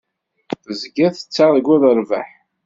Tezgiḍ tettarguḍ rrbeḥ.